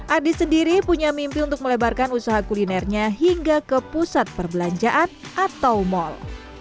ardi sendiri punya mimpi untuk melebarkan usaha kulinernya hingga ke pusat perbelanjaan atau mal